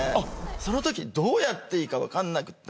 そのときどうやっていいかわかんなくて。